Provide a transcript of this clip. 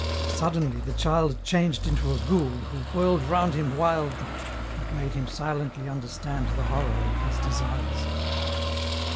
Suddenly the child changed into a ghoul who whirled round him wildly, and made him silently understand the horror of his desires.